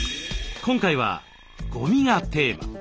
今回は「ゴミ」がテーマ。